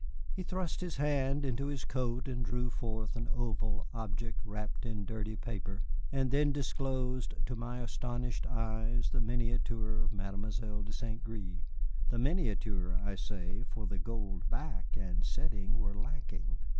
He thrust his hand into his coat and drew forth an oval object wrapped in dirty paper, and then disclosed to my astonished eyes the miniature of Mademoiselle de St. Gré, the miniature, I say, for the gold back and setting were lacking.